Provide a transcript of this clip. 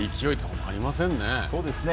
そうですね。